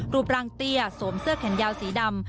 รูปร่างเตี้ยสวมเสื้อแขนยาวสีดำ